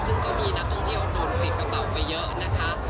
ซึ่งก็มีดับที่สุดมีกระเป๋ากระเป๋ามาเยอะ